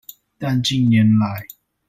但近年來